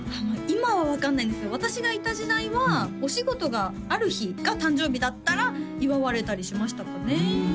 今は分かんないんですけど私がいた時代はお仕事がある日が誕生日だったら祝われたりしましたかね